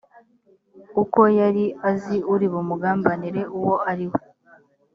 uko yari azi uri bumugambanire uwo ari we